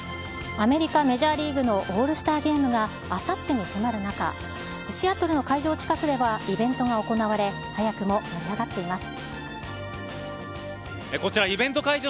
アメリカ・メジャーリーグのオールスターゲームがあさってに迫る中、シアトルの会場近くではイベントが行われ、早くも盛り上がっています。